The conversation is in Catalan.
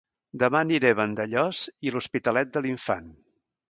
Dema aniré a Vandellòs i l'Hospitalet de l'Infant